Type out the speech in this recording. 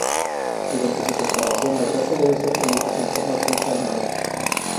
Durante su preparación, la gasa debe ser unida en forma tensa al marco.